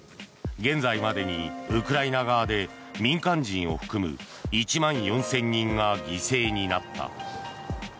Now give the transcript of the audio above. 現在までにウクライナ側で民間人を含む１万４０００人が犠牲になった。